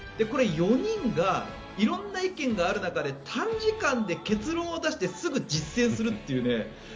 これ、４人が色んな意見がある中で短時間で結論を出してすぐ実践するというね